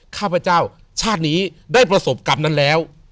ข้าพเจ้าชาตินี้ได้ประสบกรรมนั้นแล้ว